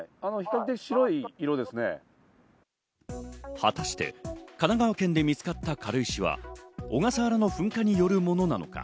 果たして神奈川県で見つかった軽石は小笠原の噴火によるものなのか？